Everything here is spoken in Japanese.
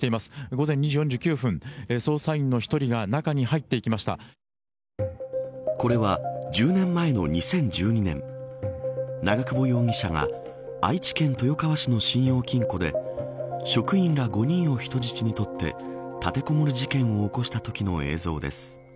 午前２時４９分捜査員の１人がこれは１０年前の２０１２年長久保容疑者が愛知県豊川市の信用金庫で職員ら５人を人質にとって立てこもる事件を起こしたときの映像です。